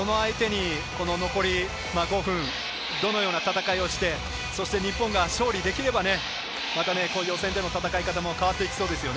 残り５分、どのような戦いをして、日本が勝利できれば予選での戦い方も変わってきそうですよね。